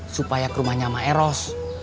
supaya ke rumahnya mak eros